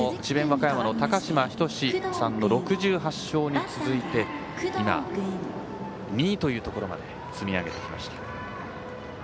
和歌山の高嶋仁さんの６８勝に続いて、今２位というところまで積み上げてきました。